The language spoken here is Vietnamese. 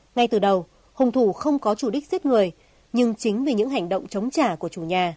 ngay từ đầu hùng thủ không có chủ đích giết người nhưng chính vì những hành động chống trả của chủ nhà